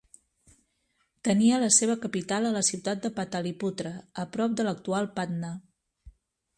Tenia la seva capital a la ciutat de Pataliputra, a prop de l'actual Patna.